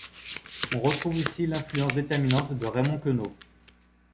On retrouve ici l'influence déterminante de Raymond Queneau.